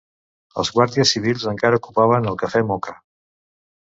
Els guàrdies civils encara ocupaven el Cafè Moka